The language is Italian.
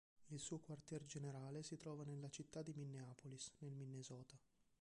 Il suo quartier generale si trova nella città di Minneapolis, nel Minnesota.